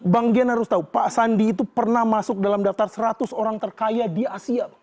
bang gian harus tahu pak sandi itu pernah masuk dalam daftar seratus orang terkaya di asia